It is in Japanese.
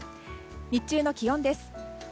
日中の気温です。